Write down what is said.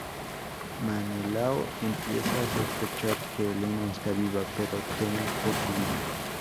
Menelao empieza a sospechar que Helena está viva, pero teme por su vida.